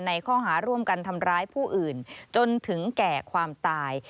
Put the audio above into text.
ข้อหาร่วมกันทำร้ายผู้อื่นจนถึงแก่ความตาย